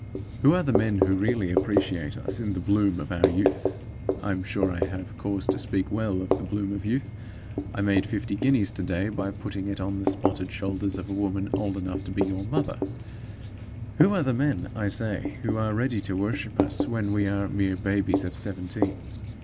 Who are the men who really appreciate us in the bloom of our youth (I'm sure I have cause to speak well of the bloom of youth; I made fifty guineas to day by putting it on the spotted shoulders of a woman old enough to be your mother) who are the men, I say, who are ready to worship us when we are mere babies of seventeen?